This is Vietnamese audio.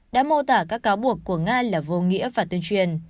đã mô tả các cáo buộc của nga là vô nghĩa và tuyên truyền